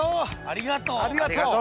ありがとう。